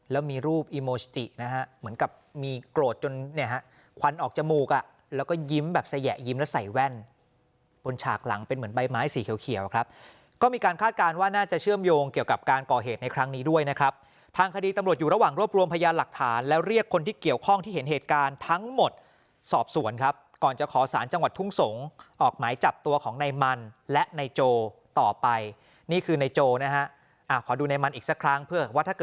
แล้วมีรูปอิโมชิตินะฮะเหมือนกับมีโกรธจนเนี่ยควันออกจมูกแล้วก็ยิ้มแบบสะแหยะยิ้มแล้วใส่แว่นบนฉากหลังเป็นเหมือนใบไม้สีเขียวครับก็มีการคาดการณ์ว่าน่าจะเชื่อมโยงเกี่ยวกับการก่อเหตุในครั้งนี้ด้วยนะครับทางคดีตำรวจอยู่ระหว่างรวบรวมพยาหลักฐานแล้วเรียกคนที่เกี่ยวข้องที่เห็